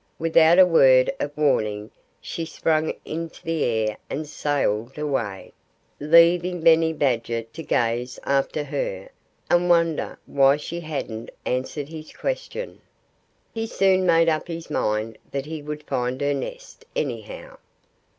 Without a word of warning she sprang into the air and sailed away, leaving Benny Badger to gaze after her, and wonder why she hadn't answered his question. He soon made up his mind that he would find her nest, anyhow.